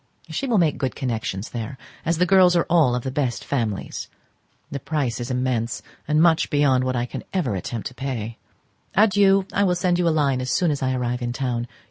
She will made good connections there, as the girls are all of the best families. The price is immense, and much beyond what I can ever attempt to pay. Adieu, I will send you a line as soon as I arrive in town.